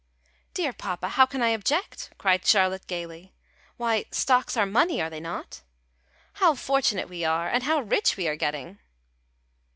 "Dear papa, how can I object?" cried Charlotte gaily. "Why, stocks are money, are they not? How fortunate we are, and how rich we are getting!"